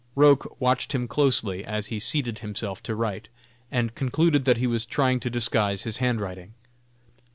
Roch watched him closely as he seated himself to write, and concluded that he was trying to disguise his hand writing.